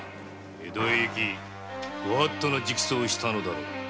江戸へ行きご法度の直訴をしたのだろう。